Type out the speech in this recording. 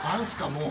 もう！